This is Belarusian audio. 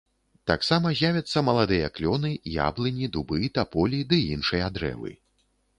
Таксама з'явяцца маладыя клёны, яблыні, дубы, таполі ды іншыя дрэвы.